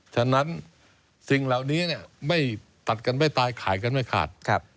ฉะนั้นสิ่งเหล่านี้ไม่ตัดกันไม่ตายขายกันไม่ขาด